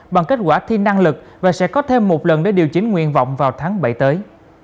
bằng kết quả thi năng lực và sẽ có thêm một lần để điều chỉnh nguyện vọng vào tháng bảy tới